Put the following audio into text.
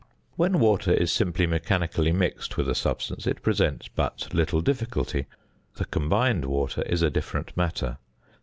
When water is simply mechanically mixed with a substance it presents but little difficulty. The combined water is a different matter.